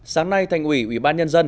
sáng nay thành ủy ubnd